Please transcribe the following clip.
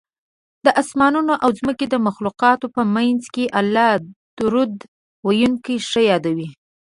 د اسمانونو او ځمکې د مخلوقاتو په منځ کې الله درود ویونکی ښه یادوي